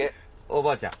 おばあちゃん。